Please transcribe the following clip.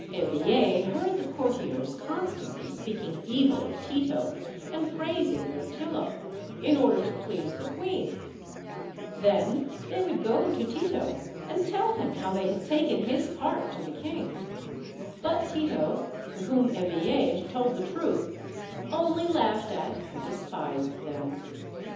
Eveille heard the courtiers constantly speaking evil of Tito and praising Mirtillo, in order to please the queen; then they would go to Tito and tell him how they had taken his part to the king; but Tito, to whom Eveille told the truth, only laughed at and despised them.